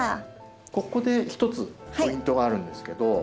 ここで一つポイントがあるんですけど。